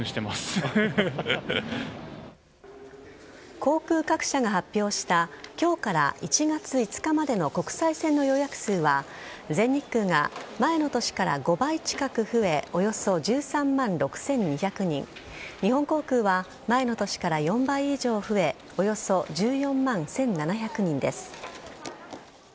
航空各社が発表した今日から１月５日までの国際線の予約数は全日空が前の年から５倍近く増えおよそ１３万６２００人日本航空は前の年から４倍以上増えおよそ１４万１７００人です。